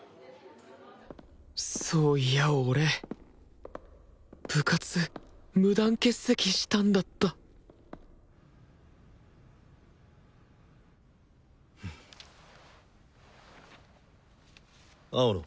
そういや俺部活無断欠席したんだった青野。